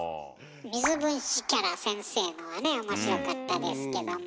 水分子キャラ先生のはね面白かったですけども。